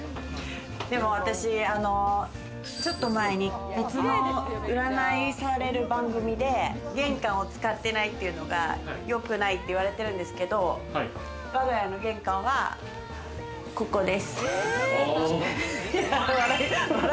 私ちょっと前に別の占いされる番組で、玄関を使ってないっていうのがよくないって言われてるんですけど、わが家の玄関は、ここです。